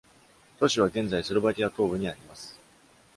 都市は現在、スロバキア東部にあります。